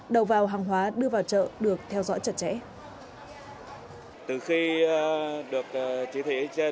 đầu vào hàng hóa đưa vào chợ được theo dõi chặt chẽ